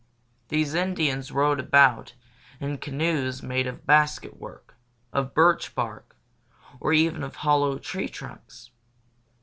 These Indians rowed about in canoes made of basket work, of birch bark, or even of hollow tree trunks.